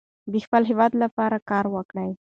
د خپل هیواد لپاره کار وکړو.